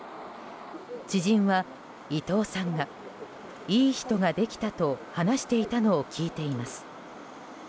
知人は、伊藤さんがいい人ができたと話していたのを聞いています。